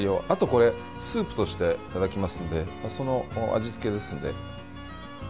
あと、これスープとしていただきますのでその味付けですので。